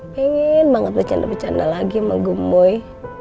pengen banget bercanda bercanda lagi sama gemoy